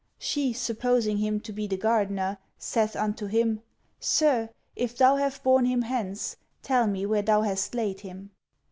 She, supposing him to be the gardener, saith unto him, Sir, if thou have borne him hence, tell me where thou hast laid him."